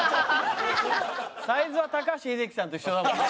サイズは高橋英樹さんと一緒だもんね。